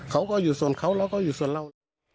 เขาก็อยู่ส่วนเรา